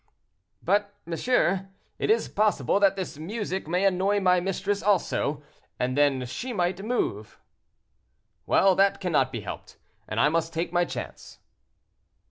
"But, monsieur, it is possible that this music may annoy my mistress also, and then she might move." "Well, that cannot be helped, and I must take my chance."